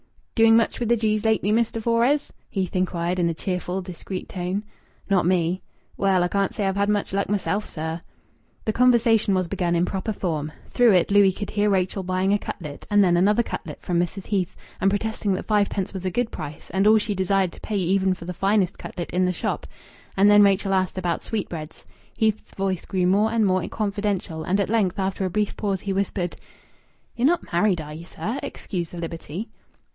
"Doing much with the gees lately, Mr. Fores?" Heath inquired in a cheerful, discreet tone. "Not me!" "Well, I can't say I've had much luck myself, sir." The conversation was begun in proper form. Through it Louis could hear Rachel buying a cutlet, and then another cutlet, from Mrs. Heath, and protesting that five pence was a good price and all she desired to pay even for the finest cutlet in the shop. And then Rachel asked about sweetbreads. Heath's voice grew more and more confidential and at length, after a brief pause, he whispered "Ye're not married, are ye, sir? Excuse the liberty."